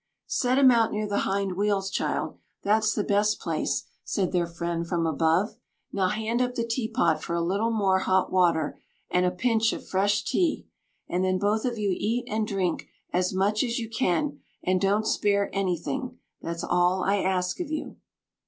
"Set 'em out near the hind wheels, child—that's the best place," said their friend from above. "Now, hand up the teapot for a little more hot water and a pinch of fresh tea, and then both of you eat and drink as much as you can, and don't spare anything; that's all I ask of you."